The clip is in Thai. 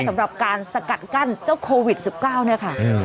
สำหรับการสกัดกั้นเจ้าโควิด๑๙เนี่ยค่ะ